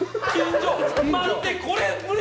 待って、これ無理！